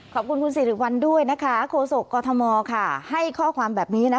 ขอบคุณคุณสิริวัลด้วยนะคะโคศกกอทมค่ะให้ข้อความแบบนี้นะ